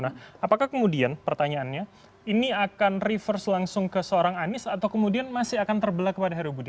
nah apakah kemudian pertanyaannya ini akan reverse langsung ke seorang anies atau kemudian masih akan terbelah kepada heru budi